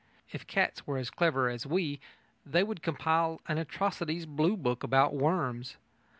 If cats were as clever as we, they would compile an atrocities blue book about worms.